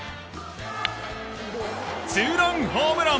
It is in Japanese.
ツーランホームラン！